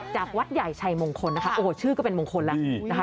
จากวัดใหญ่ชัยมงคลนะคะโอ้โหชื่อก็เป็นมงคลแล้วนะคะ